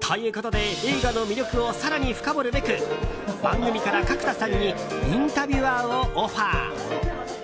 ということで映画の魅力を更に深掘るべく番組から、角田さんにインタビュアーをオファー。